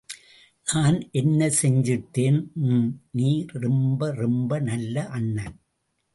.நான் என்ன செஞ்சிட்டேன்!.... ம்!... நீ ரொம்ப ரொம்ப நல்ல அண்ணன்!...